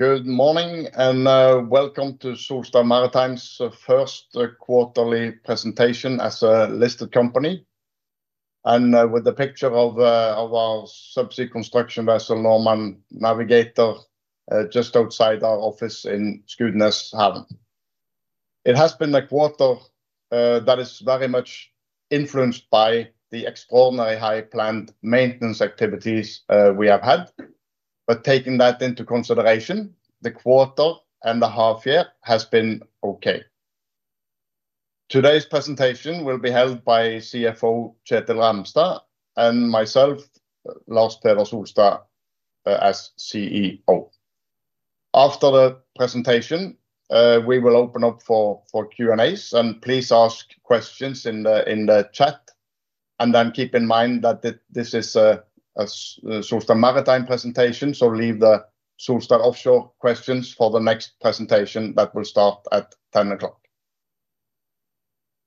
Good morning and Welcome to Solstad Maritime's First Quarterly Presentation As A Listed Company. With a picture of our subsea construction support vessel, Normand Navigator, just outside our office in Skudeneshamn, it has been a quarter that is very much influenced by the extraordinarily high planned maintenance activities we have had. Taking that into consideration, the quarter and a half year has been okay. Today's presentation will be held by CFO Kjetil Ramstad and myself, Lars Peder Solstad, as CEO. After the presentation, we will open up for Q&A and please ask questions in the chat. Please keep in mind that this is a Solstad Maritime presentation, so leave the Solstad Offshore questions for the next presentation that will start at 10:00 A.M.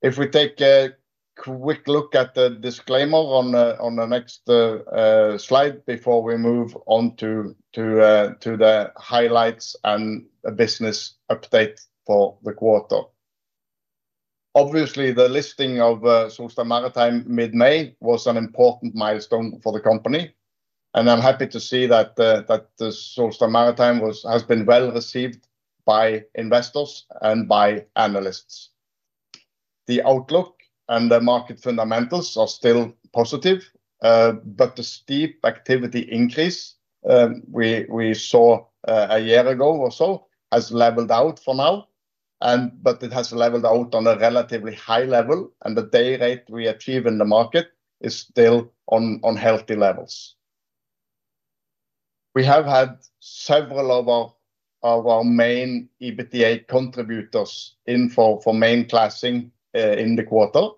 If we take a quick look at the disclaimer on the next slide before we move on to the highlights and a business update for the quarter. Obviously, the listing of Solstad Maritime Mid-May was an important milestone for the company, and I'm happy to see that Solstad Maritime has been well received by investors and by analysts. The outlook and the market fundamentals are still positive, but the steep activity increase we saw a year ago or so has leveled out for now. It has leveled out on a relatively high level, and the dayrate we achieve in the market is still on healthy levels. We have had several of our main EBITDA contributors in for main-classing in the quarter,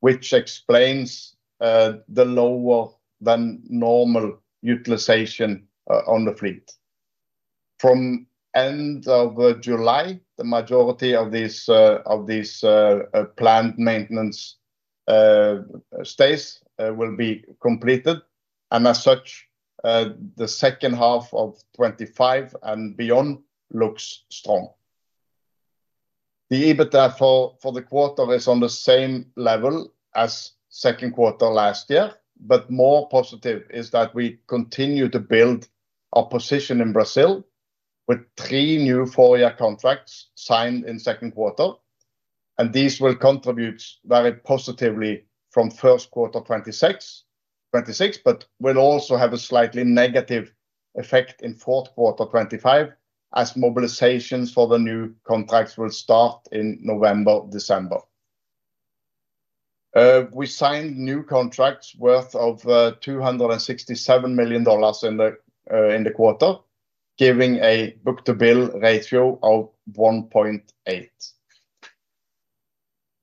which explains the lower-than-normal utilization on the fleet. From the end of July, the majority of these planned maintenance stays will be completed. As such, the second half of 2025 and beyond looks strong. The EBITDA for the quarter is on the same level as the second quarter last year, but more positive is that we continue to build our position in Brazil with three new four-year contracts signed in the second quarter. These will contribute very positively from the first quarter of 2026, but will also have a slightly negative effect in the fourth quarter of 2025 as mobilizations for the new contracts will start in November and December. We signed new contracts worth $267 million in the quarter, giving a Book-to-Bill ratio of 1.8.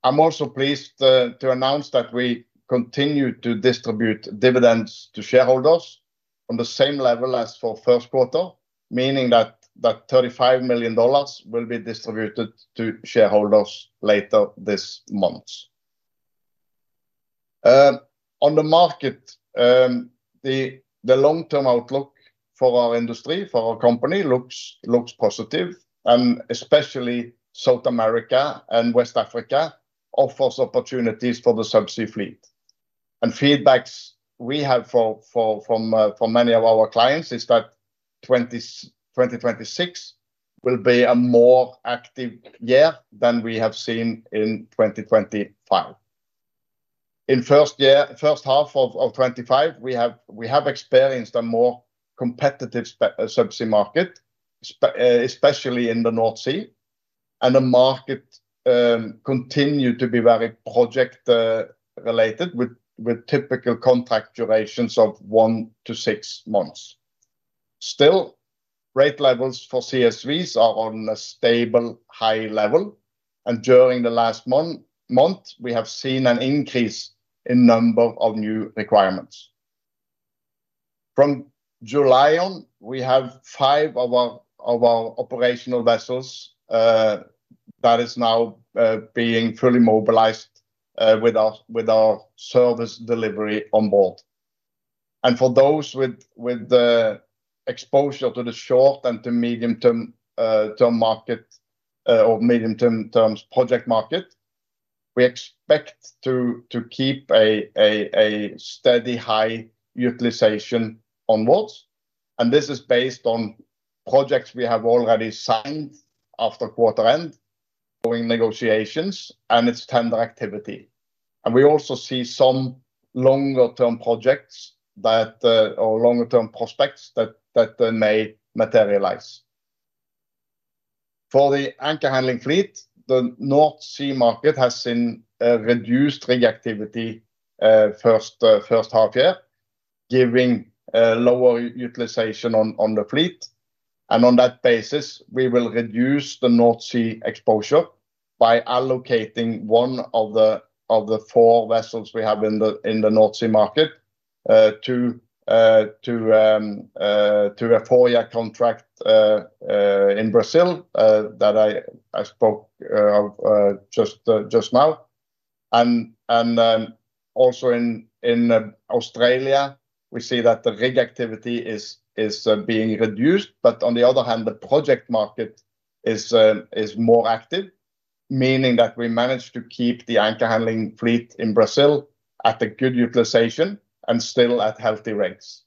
I'm also pleased to announce that we continue to distribute dividends to shareholders on the same level as for the first quarter, meaning that $35 million will be distributed to shareholders later this month. On the market, the long-term outlook for our industry, for our company, looks positive, and especially South America and West Africa offer opportunities for the subsea fleet. Feedback we have from many of our clients is that 2026 will be a more active year than we have seen in 2025. In the first half of 2025, we have experienced a more competitive subsea market, especially in the North Sea, and the market continues to be very project-related with typical contract durations of one to six months. Still, rate levels for construction support vessels are on a stable high level, and during the last month, we have seen an increase in the number of new requirements. From July on, we have five of our operational vessels that are now being fully mobilized with our service delivery on board. For those with exposure to the short- and to medium-term market or medium-term project market, we expect to keep a steady high utilization onward. This is based on projects we have already signed after quarter-end, ongoing negotiations, and its tender activity. We also see some longer-term projects or longer-term prospects that may materialize. For the anchor handling fleet, the North Sea market has seen reduced reactivity in the first half-year, giving lower utilization on the fleet. On that basis, we will reduce the North Sea exposure by allocating one of the four vessels we have in the North Sea market to a four-year contract in Brazil that I spoke of just now. Also in Australia, we see that the rig activity is being reduced. On the other hand, the project market is more active, meaning that we managed to keep the anchor handling fleet in Brazil at a good utilization and still at healthy rates.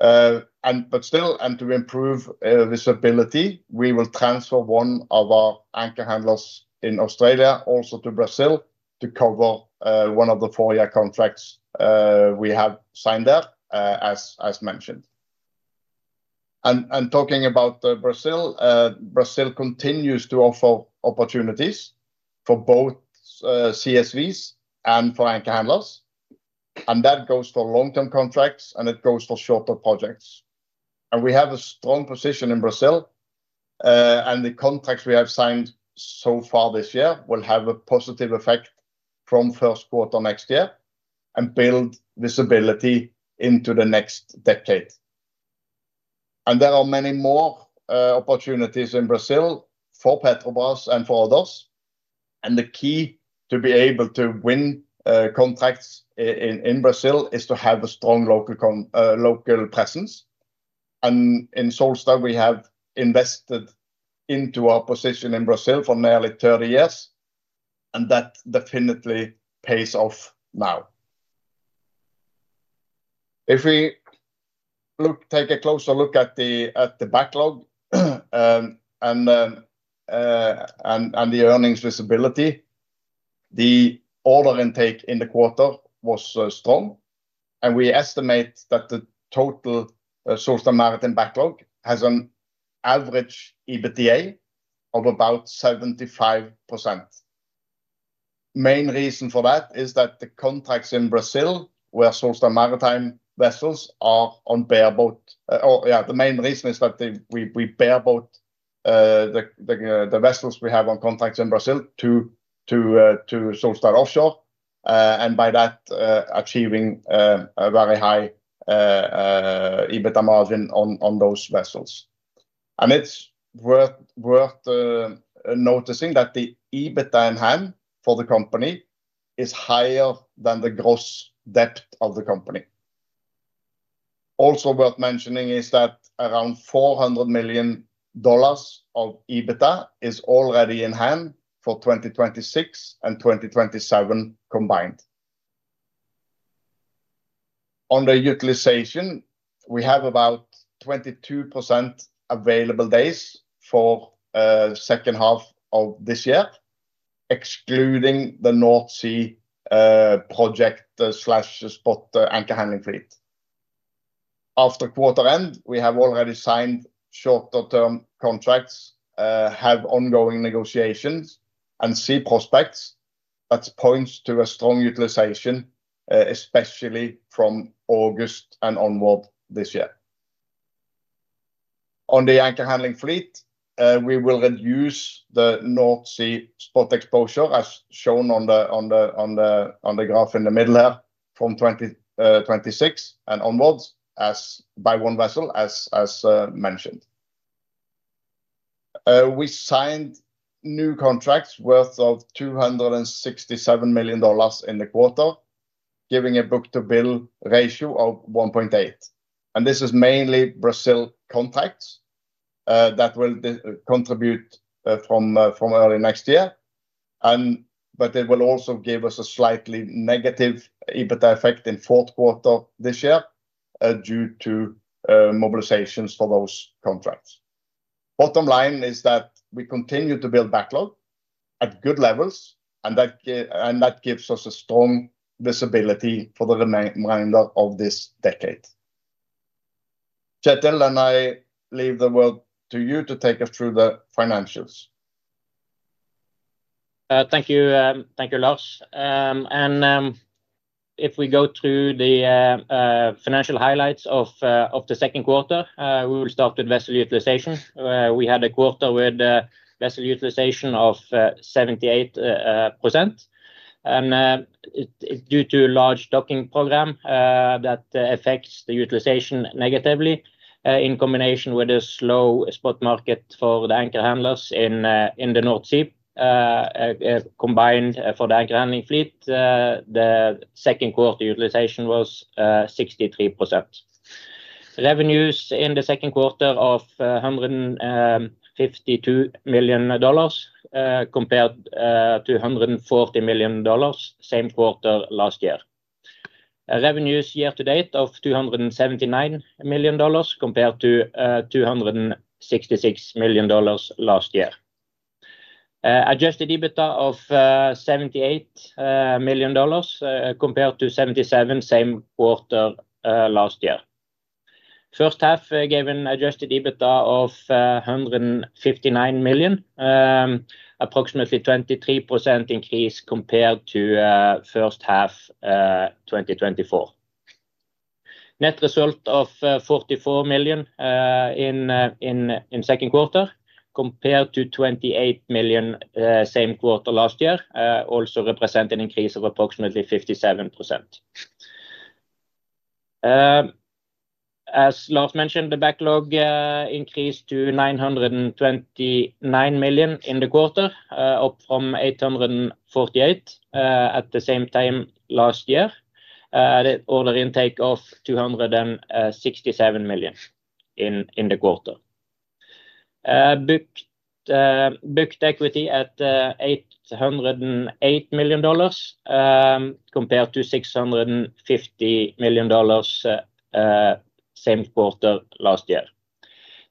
Still, to improve visibility, we will transfer one of our anchor handlers in Australia also to Brazil to cover one of the four-year contracts we have signed there, as mentioned. Talking about Brazil, Brazil continues to offer opportunities for both construction support vessels and for anchor handlers. That goes for long-term contracts, and it goes for shorter projects. We have a strong position in Brazil, and the contracts we have signed so far this year will have a positive effect from the first quarter next year and build visibility into the next decade. There are many more opportunities in Brazil for Petrobras and for others. The key to be able to win contracts in Brazil is to have a strong local presence. At Solstad Maritime ASA, we have invested into our position in Brazil for nearly 30 years, and that definitely pays off now. If we take a closer look at the backlog and the earnings visibility, the order intake in the quarter was strong, and we estimate that the total Solstad Maritime ASA backlog has an average EBITDA of about 75%. The main reason for that is that the contracts in Brazil where Solstad Maritime ASA vessels are on bareboat. The main reason is that we bareboat the vessels we have on contracts in Brazil to Solstad Offshore ASA, and by that, achieving a very high EBITDA margin on those vessels. It is worth noticing that the EBITDA in hand for the company is higher than the gross debt of the company. Also worth mentioning is that around $400 million of EBITDA is already in hand for 2026 and 2027 combined. On the utilization, we have about 22% available days for the second half of this year, excluding the North Sea project/spot anchor-handling fleet. After quarter end, we have already signed shorter-term contracts, have ongoing negotiations, and see prospects that point to a strong utilization, especially from August and onward this year. On the anchor handling fleet, we will reduce the North Sea spot exposure, as shown on the graph in the middle here from 2026 and onwards by one vessel, as mentioned. We signed new contracts worth $267 million in the quarter, giving a book-to-bill ratio of 1.8. This is mainly Brazil contracts that will contribute from early next year, but it will also give us a slightly negative EBITDA effect in the fourth quarter this year due to mobilizations for those contracts. The bottom line is that we continue to build backlog at good levels, and that gives us a strong visibility for the remainder of this decade. Kjetil, I leave the word to you to take us through the financials. Thank you, Lars. If we go through the financial highlights of the second quarter, we will start with vessel utilization. We had a quarter with vessel utilization of 78%, and it's due to a large docking program that affects the utilization negatively in combination with a slow spot market for the anchor handlers in the North Sea. Combined for the anchor handling fleet, the second quarter utilization was 63%. Revenues in the second quarter of $152 million compared to $140 million same quarter last year. Revenues year to date of $279 million compared to $266 million last year. Adjusted EBITDA of $78 million compared to $77 million same quarter last year. First half gave an Adjusted EBITDA of $159 million, approximately 23% increase compared to first half 2024. Net result of $44 million in the second quarter compared to $28 million same quarter last year, also representing an increase of approximately 57%. As Lars mentioned, the backlog increased to $929 million in the quarter, up from $848 million at the same time last year. The order intake of $267 million in the quarter. Booked equity at $808 million compared to $650 million same quarter last year.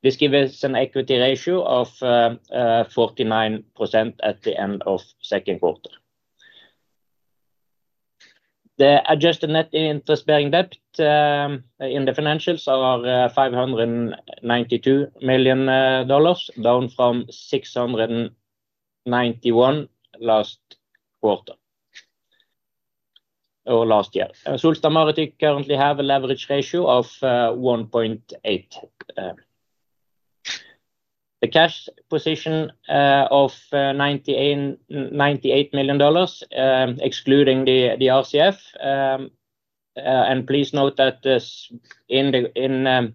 This gives us an equity ratio of 49% at the end of the second quarter. The adjusted net-interest bearing debt in the financials are $592 million, down from $691 million last quarter or last year. Solstad Maritime ASA currently has a leverage ratio of 1.8. The cash position of $98 million, excluding the RCF. Please note that in the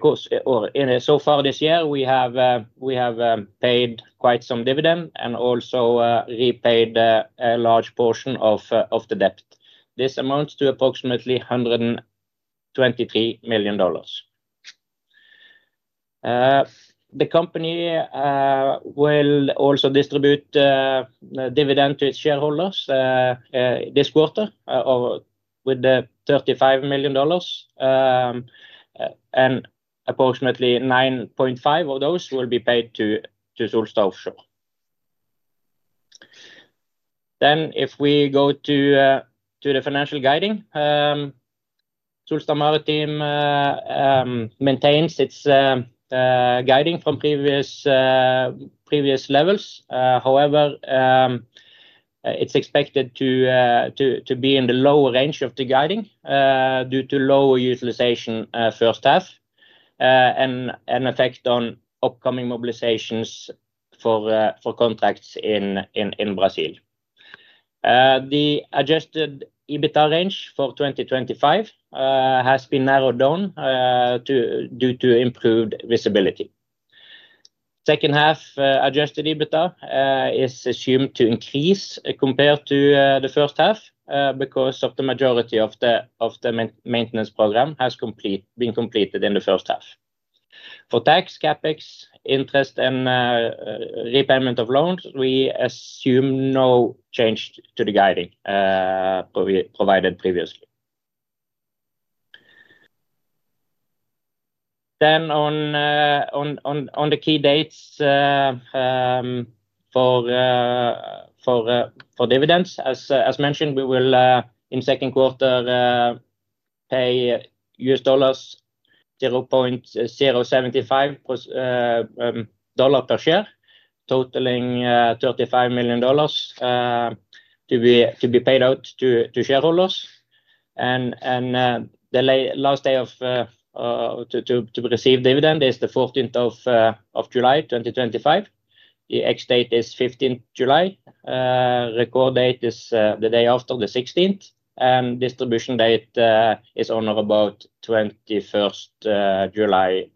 course or so far this year, we have paid quite some dividends and also repaid a large portion of the debt. This amounts to approximately $123 million. The company will also distribute dividends to its shareholders this quarter with the $35 million, and approximately $9.5 million of those will be paid to Solstad Offshore ASA. If we go to the financial guiding, Solstad Maritime ASA maintains its guiding from previous levels. However, it's expected to be in the lower range of the guiding due to lower utilization first half and an effect on upcoming mobilizations for contracts in Brazil. The Adjusted EBITDA range for 2025 has been narrowed down due to improved visibility. Second half Adjusted EBITDA is assumed to increase compared to the first half because the majority of the maintenance program has been completed in the first half. For tax, CapEx, interest, and repayment of loans, we assume no change to the guiding provided previously. On the key dates for dividends, as mentioned, we will in the second quarter pay $0.075 per share, totaling $35 million to be paid out to shareholders. The last day to receive dividends is the 14th of July 2025. The ex-date is 15th July. Record date is the day after, the 16th, and distribution date is on or about 21st July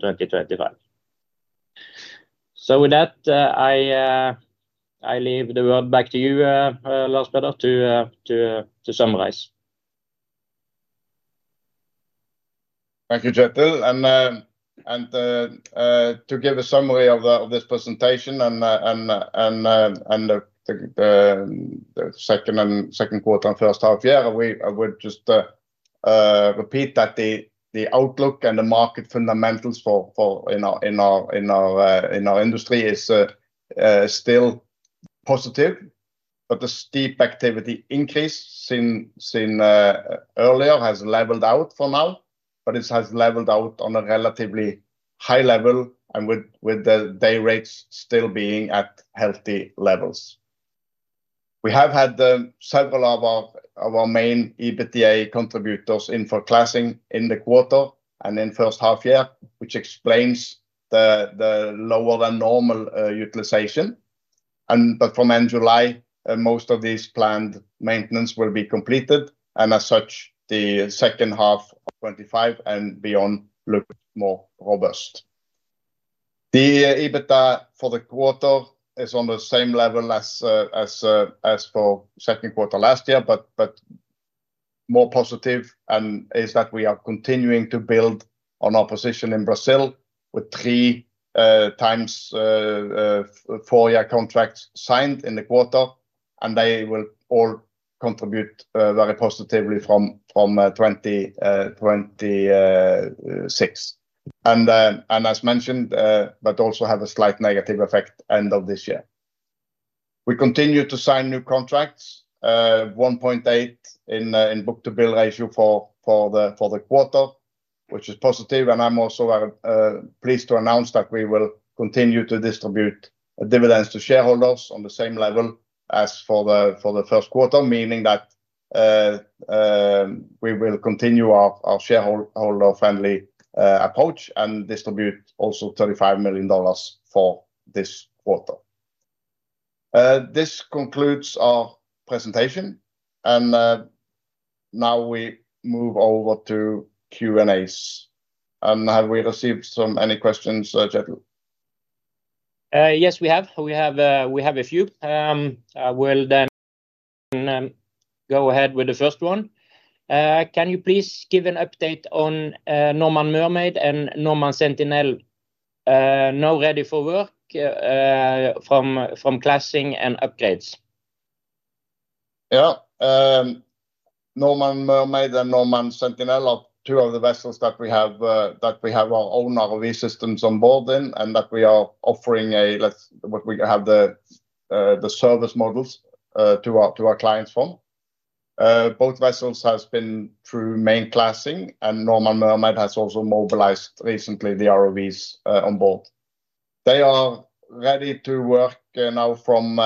2025. With that, I leave the word back to you, Lars Peder, to summarize. Thank you, Kjetil. To give a summary of this presentation and the second quarter and first half-year, I would just repeat that the outlook and the market fundamentals in our industry are still positive, but the steep activity increase seen earlier has leveled out for now. It has leveled out on a relatively high level and with the day rates still being at healthy levels. We have had several of our main EBITDA contributors in for classing in the quarter and in the first half year, which explains the lower than normal utilization. From end of July, most of these planned maintenance will be completed. As such, the second half of 2025 and beyond looks more robust. The EBITDA for the quarter is on the same level as for the second quarter last year, but more positive is that we are continuing to build on our position in Brazil with three times four-year contracts signed in the quarter, and they will all contribute very positively from 2026. As mentioned, they also have a slight negative effect end of this year. We continue to sign new contracts, 1.8 in Book-to-Bill ratio for the quarter, which is positive. I'm also very pleased to announce that we will continue to distribute dividends to shareholders on the same level as for the first quarter, meaning that we will continue our shareholder-friendly approach and distribute also $35 million for this quarter. This concludes our presentation. Now we move over to Q&A. Have we received any questions, Kjetil? Yes, we have. We have a few. We'll then go ahead with the first one. Can you please give an update on Normand Mermaid and Normand Sentinel, now ready for work from classing and upgrades. Yeah. Normand Mermaid and Normand Sentinel are two of the vessels that we have our own ROV systems on board in and that we are offering a, let's say, we have the service models to our clients from. Both vessels have been through main-classing, and Normand Mermaid has also mobilized recently the ROVs on board. They are ready to work now from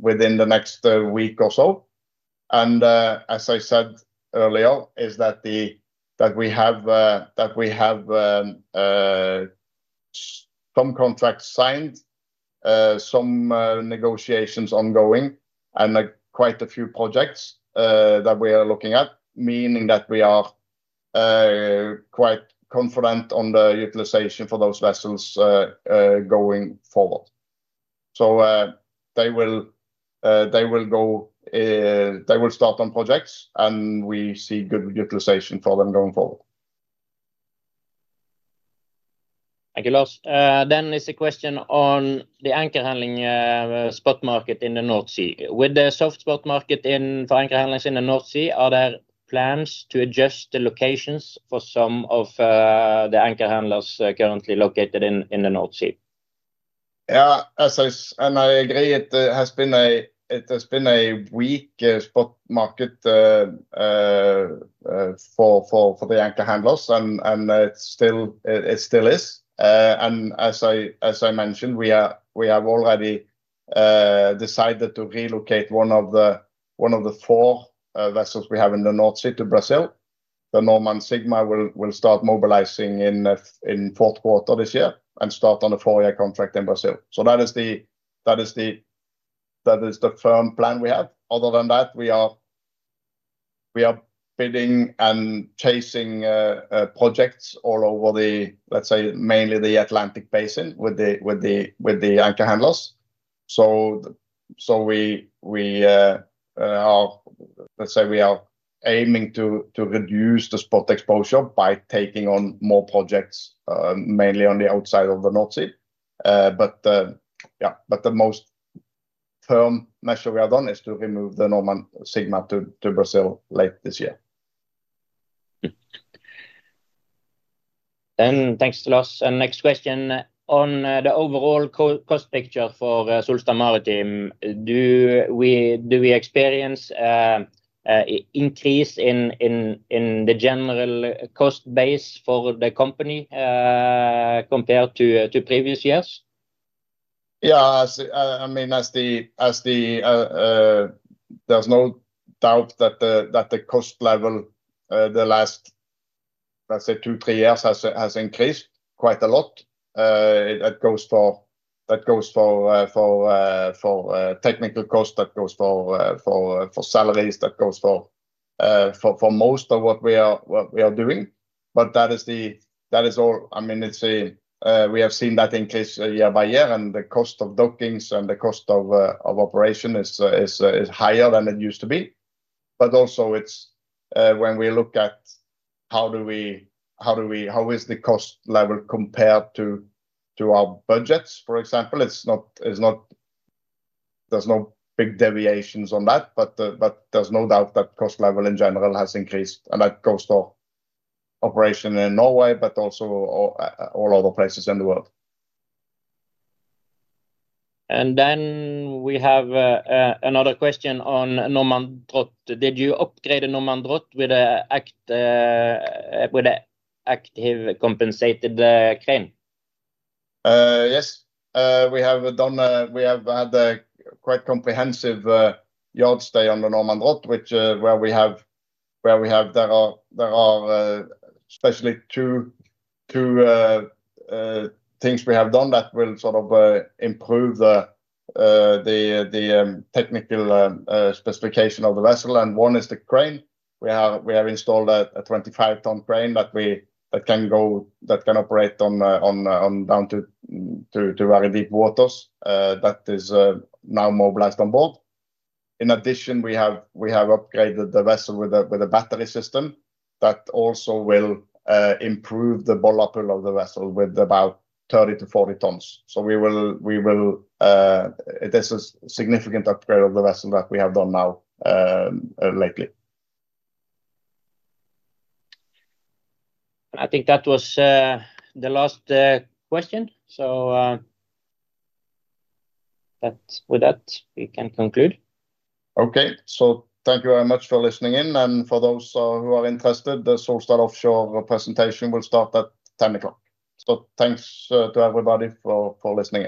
within the next week or so. As I said earlier, we have some contracts signed, some negotiations ongoing, and quite a few projects that we are looking at, meaning that we are quite confident on the utilization for those vessels going forward. They will start on projects, and we see good utilization for them going forward. Thank you, Lars. It's a question on the anchor handling spot market in the North Sea. With the soft spot market for anchor handling in the North Sea, are there plans to adjust the locations for some of the anchor handlers currently located in the North Sea? Yeah. As I agree, it has been a weak spot market for the anchor handling tug supply vessels, and it still is. As I mentioned, we have already decided to relocate one of the four vessels we have in the North Sea to Brazil. The Normand Sigma will start mobilizing in the fourth quarter this year and start on a four-year contract in Brazil. That is the firm plan we have. Other than that, we are bidding and chasing projects all over the, let's say, mainly the Atlantic Basin with the anchor-handling tug supply vessels. We are aiming to reduce the spot exposure by taking on more projects, mainly on the outside of the North Sea. The most firm measure we have done is to remove the Normand Sigma to Brazil late this year. Thanks, Lars. Next question on the overall cost picture for Solstad Maritime. Do we experience an increase in the general cost base for the company compared to previous years? Yeah. I mean, there's no doubt that the cost level the last, let's say, two, three years has increased quite a lot. That goes for technical costs, that goes for salaries, that goes for most of what we are doing. We have seen that increase year by year, and the cost of dockings and the cost of operation is higher than it used to be. Also, when we look at how is the cost level compared to our budgets, for example, there's no big deviations on that. There's no doubt that cost level in general has increased, and that goes for operation in Norway, but also all other places in the world. We have another question on Normand Drott. Did you upgrade Normand Drott with an active-compensated crane? Yes. We have had quite comprehensive yard-stay on the Normand Drott, where we have, there are especially two things we have done that will sort of improve the technical specification of the vessel. One is the crane. We have installed a 25-ton crane that can operate down to very deep waters that is now mobilized on board. In addition, we have upgraded the vessel with a battery system that also will improve the bollard pull of the vessel with about 30 to 40 tons. This is a significant upgrade of the vessel that we have done now lately. I think that was the last question. With that, we can conclude. Thank you very much for listening in. For those who are interested, the Solstad Maritime presentation will start at 10:00 A.M. Thanks to everybody for listening.